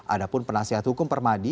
ada pun penasihat hukum permadi